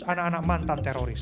anak anak mantan teroris